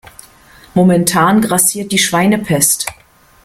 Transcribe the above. Momentan grassiert die Schweinepest.